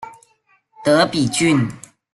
德比郡。